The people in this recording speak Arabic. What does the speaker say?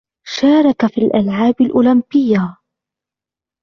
شاركَ في الألعاب الأولمبية.